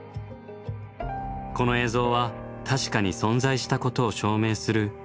この映像は確かに存在したことを証明する貴重なもの。